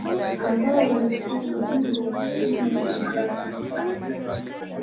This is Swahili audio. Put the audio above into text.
ambao walikuwa mabingwa msimu uliopita